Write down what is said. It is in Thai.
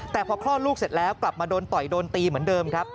แต่พอคลอดลูกเสร็จแล้วกลับมาโดนต่อยโดนตีเหมือนเดิมครับ